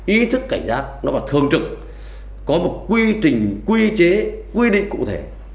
ý thức cảnh giác nó phải thường trực có một quy trình quy chế quy định cụ thể